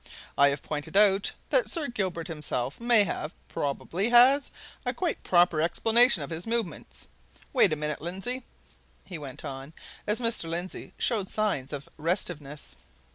I have pointed out that Sir Gilbert himself may have probably has a quite proper explanation of his movements. Wait a minute, Lindsey!" he went on, as Mr. Lindsey showed signs of restiveness.